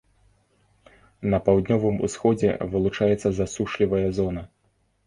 На паўднёвым усходзе вылучаецца засушлівая зона.